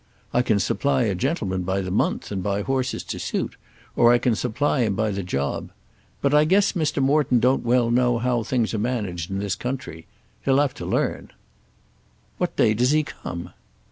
I can supply a gentleman by the month and buy horses to suit; or I can supply him by the job. But I guess Mr. Morton don't well know how things are managed in this country. He'll have to learn." "What day does he come?"